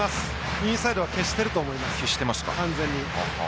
インサイドは消していると思います完全に。